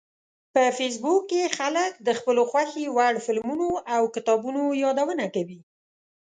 په فېسبوک کې خلک د خپلو خوښې وړ فلمونو او کتابونو یادونه کوي